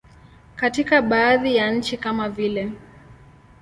Katika baadhi ya nchi kama vile.